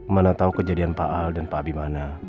mana tau kejadian pak al dan pak bimana